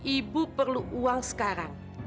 ibu perlu uang sekarang